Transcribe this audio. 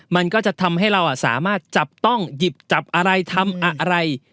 มันก็จะทำให้เราสามารถจับต้องหยิบจับอะไรทำอะไร